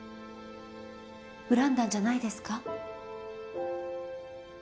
恨んだんじゃないですか？